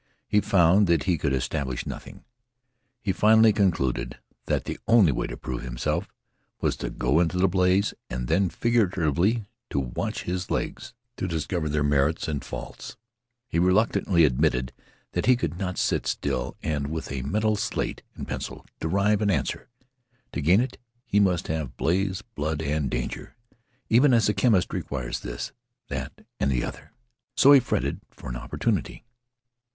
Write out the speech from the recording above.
He found that he could establish nothing. He finally concluded that the only way to prove himself was to go into the blaze, and then figuratively to watch his legs to discover their merits and faults. He reluctantly admitted that he could not sit still and with a mental slate and pencil derive an answer. To gain it, he must have blaze, blood, and danger, even as a chemist requires this, that, and the other. So he fretted for an opportunity.